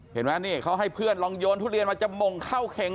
เห็นไหมนี่เขาให้เพื่อนลองโยนทุเรียนมาจะมงเข้าเข่ง